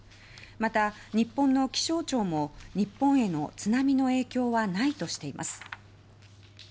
また日本の気象庁も日本への津波の影響はないとしています。